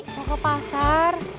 kau ke pasar